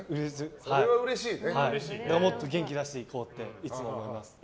もっと元気出していこうっていつも思います。